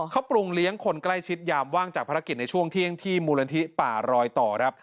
เขาปรุงเลี้ยงคนใกล้ชิดยามว่างจากภารกิจในช่วงเที่ยงที่มูลนิธิป่ารอยต่อครับ